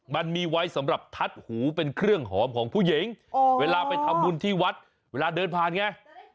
มันมีไว้สำหรับทัดหูเป็นเครื่องหอมของผู้หญิงเวลาไปทำบุญที่วัดเวลาเดินผ่านไง